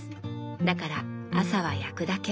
だから朝は焼くだけ。